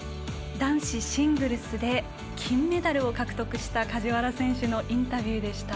男子シングルスで金メダルを獲得した梶原選手のインタビューでした。